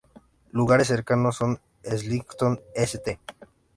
Lugares cercanos son Islington, St.